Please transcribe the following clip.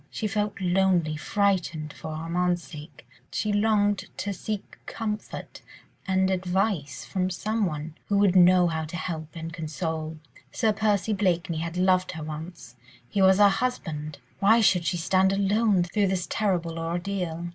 She felt lonely, frightened for Armand's sake; she longed to seek comfort and advice from someone who would know how to help and console. Sir Percy Blakeney had loved her once; he was her husband; why should she stand alone through this terrible ordeal?